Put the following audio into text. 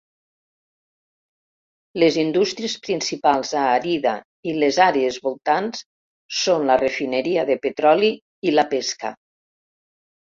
Les indústries principals a Arida i les àrees voltants són la refineria de petroli i la pesca.